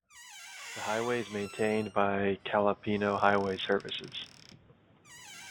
The highway is maintained by Capilano Highway Services.